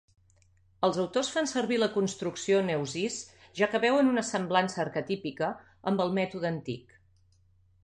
Els autors fan servir la construcció neusis, ja que veuen una semblança arquetípica amb el mètode antic.